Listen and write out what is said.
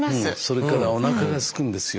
それからおなかがすくんですよ。